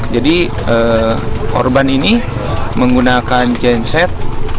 jadi korban ini menggunakan genset